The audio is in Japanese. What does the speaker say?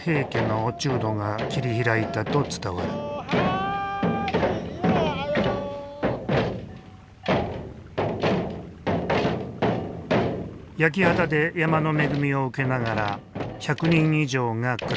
焼き畑で山の恵みを受けながら１００人以上が暮らしていた。